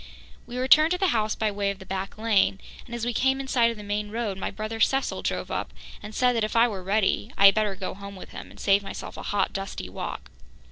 We returned to the house by way of the back lane and, as we came in sight of the main road, my brother Cecil drove up and said that if I were ready, I had better go home with him and save myself a hot, dusty walk.